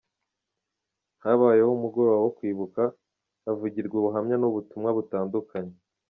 Habayeho n’umugoroba wo kwibuka, havugirwa ubuhamya, n’ubutumwa butandukanye.